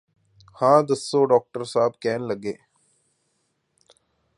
ਹਾਂ ਦੱਸੋ ਡਾਕਟਰ ਸਾਹਿਬ ਕਹਿਣ ਲੱਗੇ